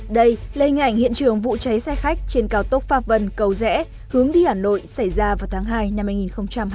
các bạn hãy đăng ký kênh để ủng hộ kênh của chúng mình nhé